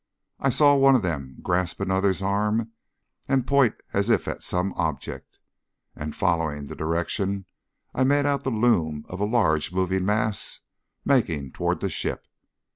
I saw one of them grasp another's arm and point as if at some object, and following the direction I made out the loom of a large moving mass making towards the ship.